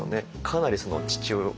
かなり父親